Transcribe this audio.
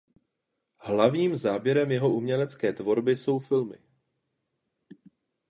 Hlavním záběrem jeho umělecké tvorby jsou filmy.